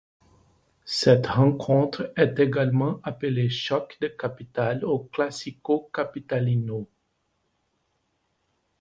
Cette rencontre est également appelée choc des capitales ou classico capitalino.